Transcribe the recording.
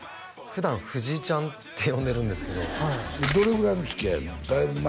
普段「藤井ちゃん」って呼んでるんですけどどれぐらいのつきあいやの？